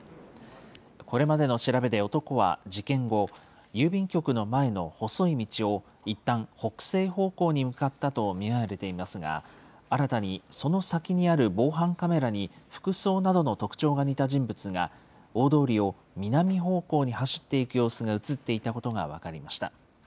これまでの調べで男は事件後、郵便局の前の細い道をいったん北西方向に向かったと見られていますが、新たにその先にある防犯カメラに、服装などの特徴が似た人物が、大通りを南方向に走っていく様子が写っていたことが分かりました。